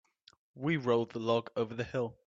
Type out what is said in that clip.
We rolled the log over the hill.